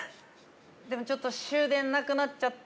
でもちょっと終電、なくなっちゃった。